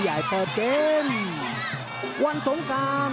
สายได้เตยเปิดเกม